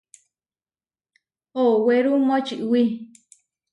Owéru močiwí.